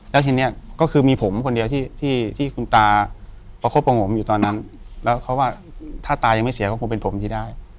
แล้วทีนี้ก็คือมีผมคนเดียวที่คุณตาประคบประงมอยู่ตอนนั้นแล้วเขาว่าถ้าตายังไม่เสียก็คงเป็นผมที่ได้